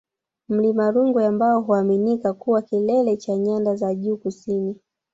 Mlima Rungwe ambao huaminika kuwa kilele cha Nyanda za Juu Kusini